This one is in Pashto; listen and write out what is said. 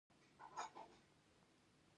خلکو په خپله خوښه اسلام ومانه